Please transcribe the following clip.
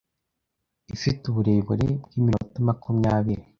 ifite uburebure bw’iminota makumyabiri